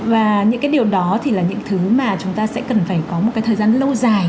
và những cái điều đó thì là những thứ mà chúng ta sẽ cần phải có một cái thời gian lâu dài